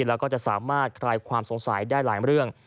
แล้วก็จะสามารถคลายความสงสัยได้หลายเรื่อง